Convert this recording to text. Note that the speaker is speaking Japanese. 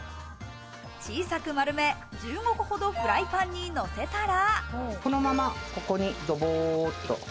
小さく丸め、１５個ほどフライパンにのせたら。